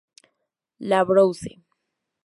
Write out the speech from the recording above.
La Brousse